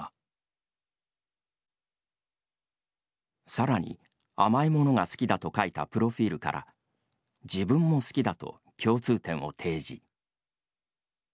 さらに甘いものが好きだと書いたプロフィールから自分も好きだと共通点を提示。